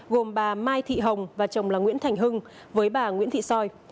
gồm bà mai thị hồng và chồng là nguyễn thành hưng với bà nguyễn thị soi